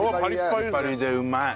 パリパリでうまい。